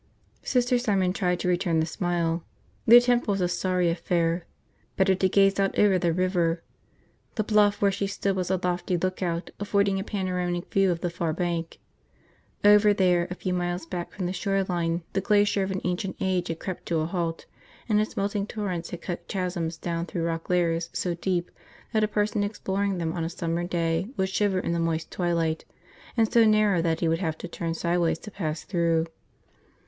Sister Simon tried to return the smile. The attempt was a sorry affair. Better to gaze out over the river. The bluff where she stood was a lofty lookout, affording a panoramic view of the far bank. Over there, a few miles back from the shore line, the glacier of an ancient age had crept to a halt and its melting torrents had cut chasms down through rock layers so deep that a person exploring them on a summer day would shiver in the moist twilight, and so narrow that he would have to turn sideways to pass through.